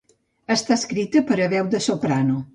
Està escrita per a veu de soprano.